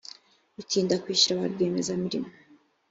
gutinda kwishyura ba rwiyemezamirimo